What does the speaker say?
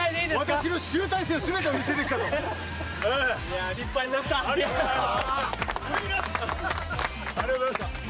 私の集大成を全てお見せできたといや立派になったありがとうございました